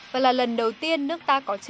và là lần đầu tiên nước ta tăng cao kỷ lục